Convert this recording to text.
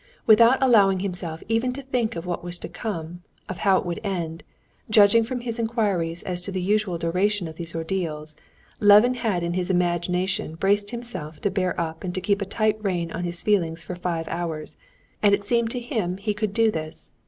Without allowing himself even to think of what was to come, of how it would end, judging from his inquiries as to the usual duration of these ordeals, Levin had in his imagination braced himself to bear up and to keep a tight rein on his feelings for five hours, and it had seemed to him he could do this.